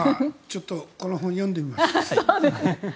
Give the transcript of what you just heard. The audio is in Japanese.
ちょっとこの本読んでみます。